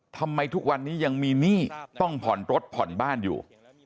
ทำไมทุกวันนี้ยังมีหนี้ต้องผ่อนรถผ่อนบ้านอยู่